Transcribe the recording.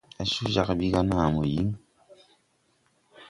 Á coo jag ɓi ga naa yiŋ.